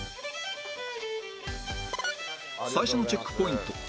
最初のチェックポイント